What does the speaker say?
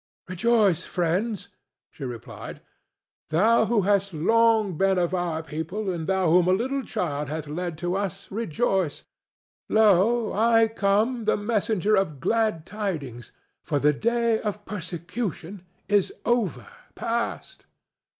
"Rejoice, friends!" she replied. "Thou who hast long been of our people, and thou whom a little child hath led to us, rejoice! Lo, I come, the messenger of glad tidings, for the day of persecution is over past.